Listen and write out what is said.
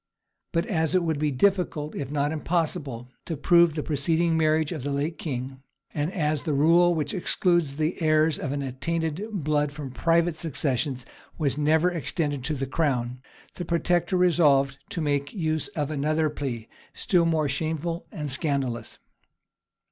But as it would be difficult, if not impossible, to prove the preceding marriage of the late king, and as the rule which excludes the heirs of an attainted blood from private successions was never extended to the crown, the protector resolved to make use of another plea, still more shameful and scandalous.